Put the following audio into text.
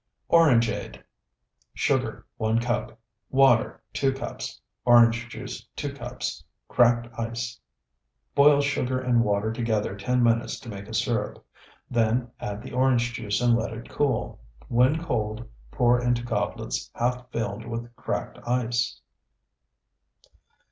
ORANGEADE Sugar, 1 cup. Water, 2 cups. Orange juice, 2 cups. Cracked ice. Boil sugar and water together ten minutes to make a syrup; then add the orange juice and let it cool. When cold, pour into goblets half filled with cracked ice.